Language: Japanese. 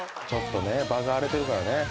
ちょっとね場が荒れてるからね。